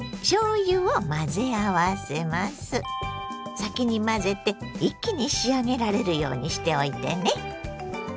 先に混ぜて一気に仕上げられるようにしておいてね。